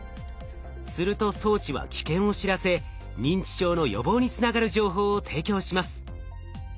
すると装置は危険を知らせ認知症の予防につながる情報を提供します。